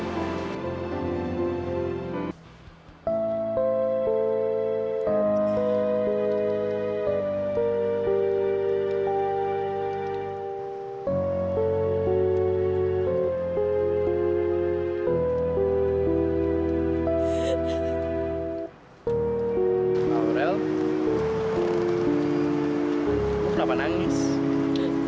kamu gak boleh pergi fre